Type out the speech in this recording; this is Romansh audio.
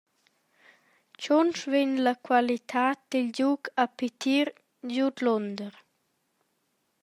Tgunsch vegn la qualitad dil giug a pitir giudlunder.